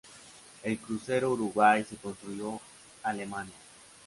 El crucero "Uruguay" se construyó Alemania.